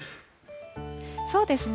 そうですね。